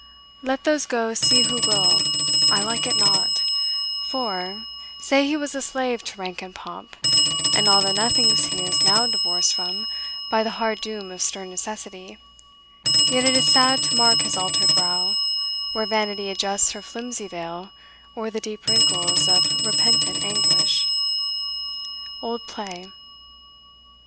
Let those go see who will I like it not For, say he was a slave to rank and pomp, And all the nothings he is now divorced from By the hard doom of stern necessity: Yet it is sad to mark his altered brow, Where Vanity adjusts her flimsy veil O'er the deep wrinkles of repentant anguish. Old Play.